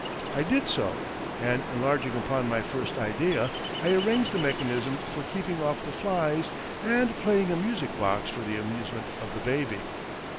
I did so, and enlarging upon my first idea, I arranged the mechanism for keeping off the flies, and playing a music box for the amusement of the baby!